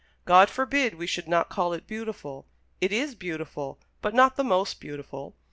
God forbid we should not call it beautiful. It is beautiful, but not the most beautiful.